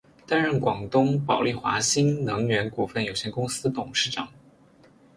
担任广东宝丽华新能源股份有限公司董事长。